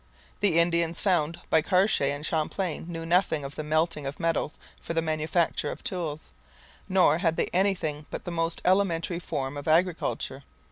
The Indians found by Cartier and Champlain knew nothing of the melting of metals for the manufacture of tools. Nor had they anything but the most elementary form of agriculture.